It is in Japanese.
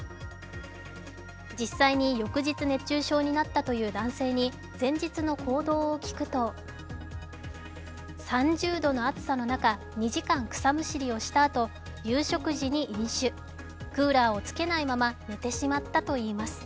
実際に翌日熱中症になったという男性に前日の行動を聞くと３０度の暑さの中、２時間草むしりをしたあと夕食時に飲酒クーラーをつけないまま寝てしまったといいます。